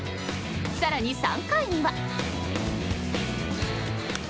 更に３回には。